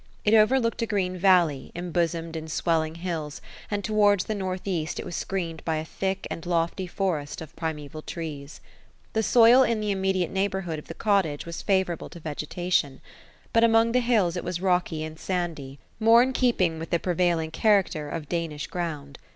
It overlooked a green valley, embosomed in swelling hills ; and towards the north east it was screened by a thick and lofty forest of primaeval trees. The soil in the immediate neigh bourhood of the cottage was favourable to vegetation ; but among the hills, it was rocky and sandy — more in keeping with the prevailing char acter of Danish ground.